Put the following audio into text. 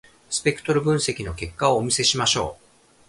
スペクトル分析の結果をお見せしましょう。